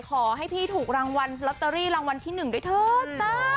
ขอให้พี่ถูกรางวัลลอตเตอรี่รางวัลที่๑ด้วยเถอะ